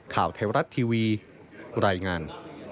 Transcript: ข่าวไทยรัฐทีวีรายงาน